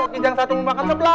gijang satu mau makan seplak